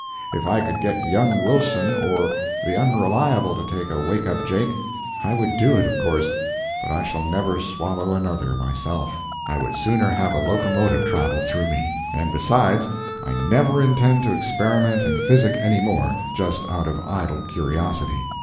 If I could get young Wilson or the Unreliable to take a "wake up Jake," I would do it, of course, but I shall never swallow another myself—I would sooner have a locomotive travel through me. And besides, I never intend to experiment in physic any more, just out of idle curiosity.